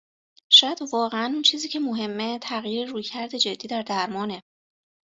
شاید واقعن اون چیزی که مهمه تغییر رویکرد جدی در درمانه.